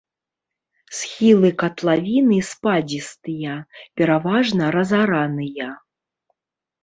Схілы катлавіны спадзістыя, пераважна разараныя.